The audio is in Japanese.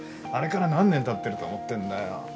あれから何年たってると思ってんだよ？